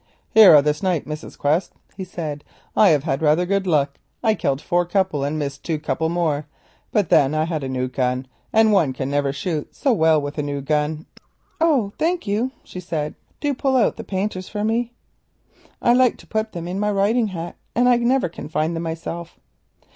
"Here are the snipe, Mrs. Quest," he said. "I have had rather good luck. I killed four couple and missed two couple more; but then I had a new gun, and one can never shoot so well with a new gun." "Oh, thank you," she said, "do pull out the 'painters' for me. I like to put them in my riding hat, and I can never find them myself."